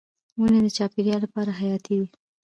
ونې د چاپیریال لپاره حیاتي دي.